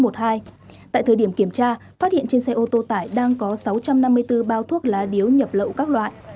tại thời điểm kiểm tra phát hiện trên xe ô tô tải đang có sáu trăm năm mươi bốn bao thuốc lá điếu nhập lậu các loại